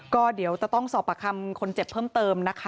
ก็เดี๋ยวจะต้องสอบประคำคนเจ็บเพิ่มเติมนะคะ